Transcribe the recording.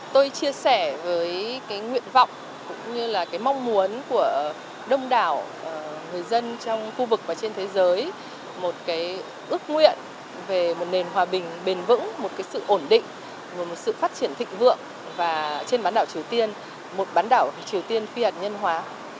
tôi chia sẻ với cái nguyện vọng cũng như là cái mong muốn của đông đảo người dân trong khu vực và trên thế giới một cái ước nguyện về một nền hòa bình bền vững một cái sự ổn định một sự phát triển thịnh vượng và trên bán đảo triều tiên một bán đảo triều tiên phi hạt nhân hóa